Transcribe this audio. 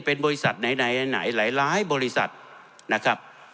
เป็นบริษัทไหนไหนไหนหลายหลายบริษัทนะครับ